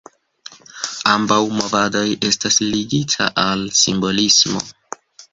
Ambaŭ movadoj estas ligita al simbolismo.